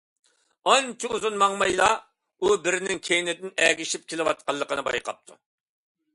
ئانچە ئۇزۇن ماڭمايلا ئۇ بىرىنىڭ كەينىدىن ئەگىشىپ كېلىۋاتقانلىقىنى بايقاپتۇ.